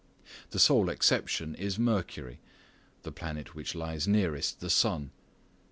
The sole exception is Mercury, the planet which lies nearest the sun.